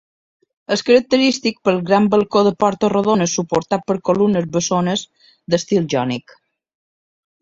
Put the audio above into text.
És característic pel gran balcó de porta rodona suportat per columnes bessones d'estil jònic.